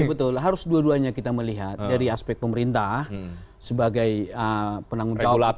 betul harus dua duanya kita melihat dari aspek pemerintah sebagai penanggung jawab